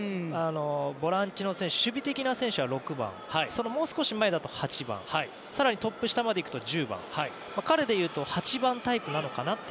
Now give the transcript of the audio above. ボランチの選手守備的な選手は６番もう少し前だと８番更にトップ下までいくと１０番彼でいうと８番タイプなのかなと。